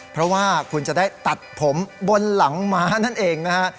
เพราะว่าคุณจะได้ตัดผมบนหลังม้านั่นเองนะฮะ